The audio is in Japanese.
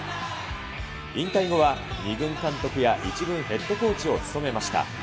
引退後は、２軍監督や１軍ヘッドコーチを務めました。